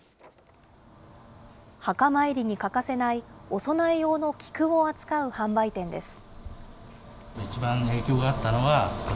墓参りに欠かせない、お供え用の菊を扱う販売店です。